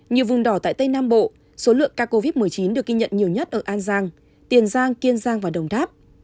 nhiều vùng đỏ tại tây nam bộ số lượng ca covid một mươi chín được ghi nhận nhiều nhất ở an giang tiền giang kiên giang và đồng tháp